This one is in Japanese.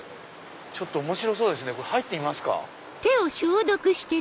ちょっと面白そうですね入ってみますか。